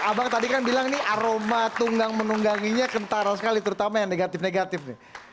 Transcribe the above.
abang tadi kan bilang nih aroma tunggang menungganginya kentara sekali terutama yang negatif negatif nih